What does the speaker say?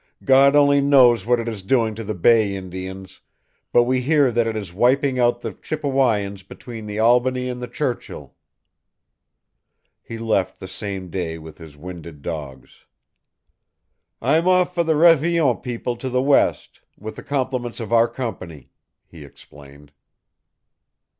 God only knows what it is doing to the bay Indians, but we hear that it is wiping out the Chippewayans between the Albany and the Churchill." He left the same day with his winded dogs. "I'm off for the Révillon people to the west, with the compliments of our company," he explained.